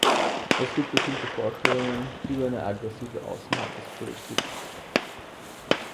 Es gibt bestimmte Vorstellungen über eine agressive Außenhandelspolitik.